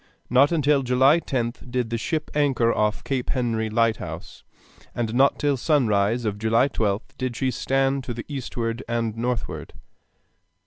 Not until July 10th did the ship anchor off Cape Henry lighthouse, and not till sunrise of July 12th did she stand to the eastward and northward.